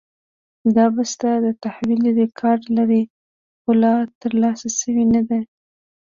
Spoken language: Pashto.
دا بسته د تحویل ریکارډ لري، خو لا ترلاسه شوې نه ده.